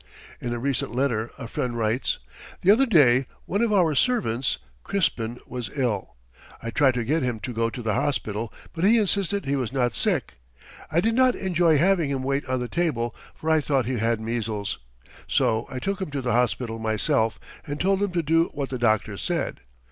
In a recent letter a friend writes, "The other day one of our servants, Crispin, was ill. I tried to get him to go to the hospital, but he insisted he was not sick. I did not enjoy having him wait on the table, for I thought he had measles. So I took him to the hospital myself and told him to do what the doctor said.